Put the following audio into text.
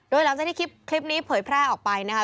โดยหลังจากที่คลิปนี้เผยแพร่ออกไปนะคะ